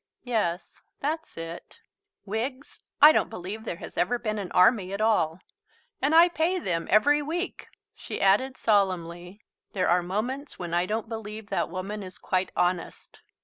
"Yes. That's it. Wiggs, I don't believe there has ever been an Army at all. ... And I pay them every week!" She added solemnly, "There are moments when I don't believe that woman is quite honest."